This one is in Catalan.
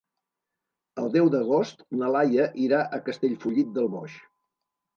El deu d'agost na Laia irà a Castellfollit del Boix.